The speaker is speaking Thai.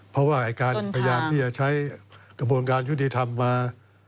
เพราะว่าการพยายามที่จะใช้กระบวนการยุติธรรมมา